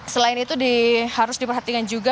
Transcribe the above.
selain itu harus diperhatikan juga